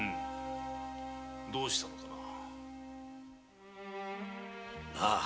どうしたのかな？